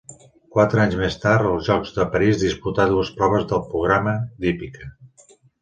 Quatre anys més tard, als Jocs de París disputà dues proves del programa d'hípica.